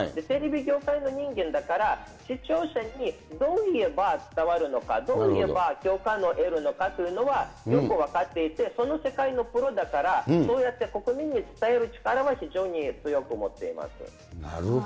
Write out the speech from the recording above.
テレビ業界の人間だから、視聴者にどういえば伝わるのか、どういえば共感を得るのかというのは、よく分かっていて、その世界のプロだから、そうやって国民に伝える力は非常に強いと思っています。